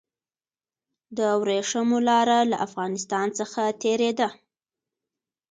د ورېښمو لاره له افغانستان څخه تیریده